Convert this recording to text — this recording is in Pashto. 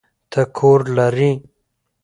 ته کور لری؟